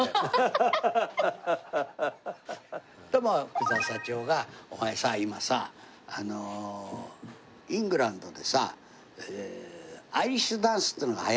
福澤幸雄が「お前さ今さイングランドでさアイリッシュダンスってのが流行ってんだよ」